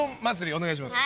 お願いします。